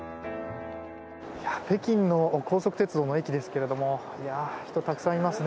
北京の高速鉄道の駅ですけども人、たくさんいますね。